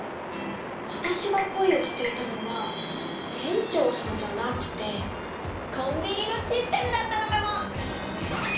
わたしが恋をしていたのは店長さんじゃなくてコンビニのシステムだったのかも！